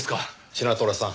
シナトラさん。